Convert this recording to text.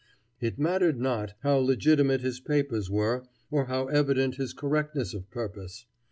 It mattered not how legitimate his papers were, or how evident his correctness of purpose.